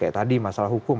kayak tadi masalah hukum